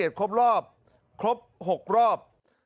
ลูกรอบครบ๖ครอบ